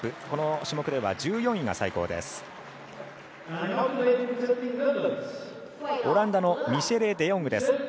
この種目では１４位が最高です。